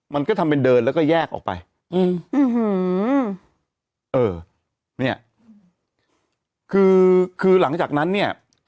มันก็ทำเป็นเดินแล้วก็แยกออกไปอืมอื้อหือเออเนี่ยคือคือหลังจากนั้นเนี่ย